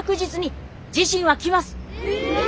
え！